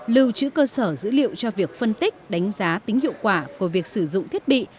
lưu trữ cơ sở dữ liệu cho việc phân tích đánh giá tính hiệu quả của việc sử dụng thiết bị